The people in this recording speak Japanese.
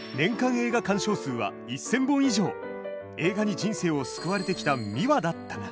映画に人生を救われてきたミワだったが。